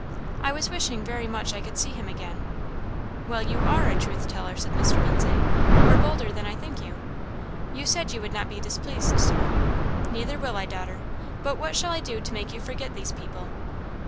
"I was wishing very much I could see him again." "Well, you are a truth teller," said Mr. Lindsay, "or bolder than I think you." "You said you would not be displeased, Sir." "Neither will I, daughter; but what shall I do to make you forget these people?"